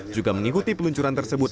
juga mengikuti peluncuran tersebut